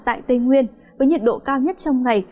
tại tây nguyên với nhiệt độ cao nhất trong ngày